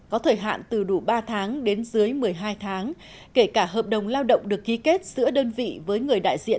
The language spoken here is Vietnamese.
có thời hạn từ đủ ba tháng đến dưới một mươi hai tháng kể cả hợp đồng lao động được ký kết giữa đơn vị với người đại diện